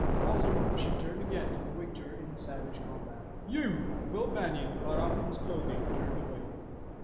Puzzled, she turned again to the victor in the savage combat. "You!" Will Banion caught up his clothing, turned away.